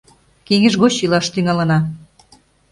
Кеҥеж гоч илаш тӱҥалына